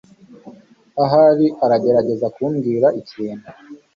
Ahari aragerageza kumbwira ikintu.